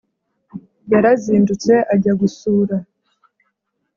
Yarazindutse ajya gusura